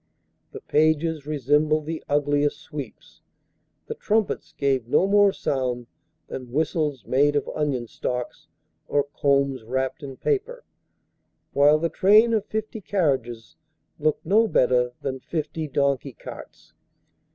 The pages resembled the ugliest sweeps. The trumpets gave no more sound than whistles made of onion stalks, or combs wrapped in paper; while the train of fifty carriages looked no better than fifty donkey carts.